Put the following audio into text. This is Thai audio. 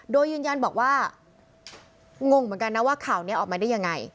โดยยืนยันบอกว่างงเหมือนกันนะว่าข่าวนี้ออกมาได้ยังไง